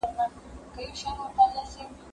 زه به د کتابتون پاکوالی کړی وي!.